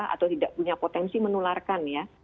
atau tidak punya potensi menularkan ya